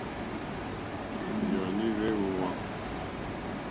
Hwɛ̂wɔ́nì hwé ówàŋ.